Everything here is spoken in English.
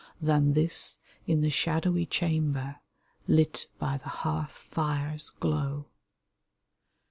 Than this in the shadowy chamber Lit by the hearth fire's glow